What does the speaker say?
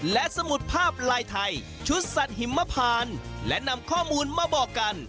และสมุดภาพลายไทยชุดสัตว์หิมพานและนำข้อมูลมาบอกกัน